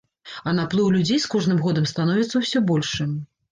А наплыў людзей з кожным годам становіцца ўсё большым.